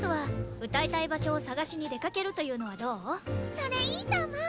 それいいと思う！